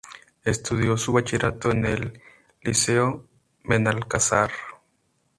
Estudio su bachillerato en el Liceo Benalcázar.